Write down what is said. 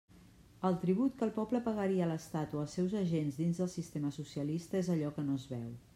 El tribut que el poble pagaria a l'estat o als seus agents, dins del sistema socialista, és allò que no es veu.